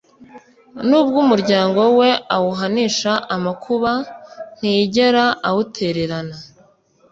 n'ubwo umuryango we awuhanisha amakuba, ntiyigera awutererana